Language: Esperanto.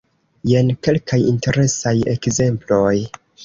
Jen kelkaj interesaj ekzemploj.